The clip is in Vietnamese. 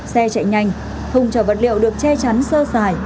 xe chạy nhanh hùng chở vật liệu được che chắn sơ xài